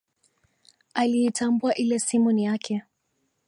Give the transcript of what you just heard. Aliitambua ile simu ni yake